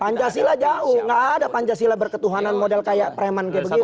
pancasila jauh nggak ada pancasila berketuhanan model kayak preman kayak begini